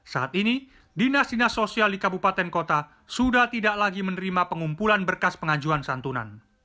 saat ini dinas dinas sosial di kabupaten kota sudah tidak lagi menerima pengumpulan berkas pengajuan santunan